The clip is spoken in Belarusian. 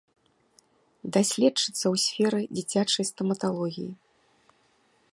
Даследчыца ў сферы дзіцячай стаматалогіі.